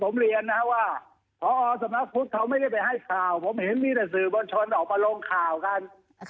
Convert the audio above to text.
ผมเรียนนะว่าพอสมศเขาไม่ได้ไปให้ข่าวผมเห็นวิทยาศือบัญชนออกมาลงข่าวกัน